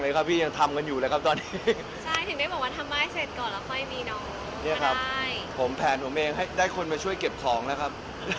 นี่ครับผมแผนผมเองให้ได้คนมาช่วยเก็บของนะครับ